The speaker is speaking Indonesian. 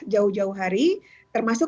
jauh jauh hari termasuk